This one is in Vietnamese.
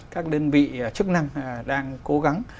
các đơn vị chức năng đang cố gắng